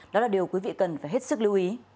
đó là điều quý vị cần phải hết sức lưu ý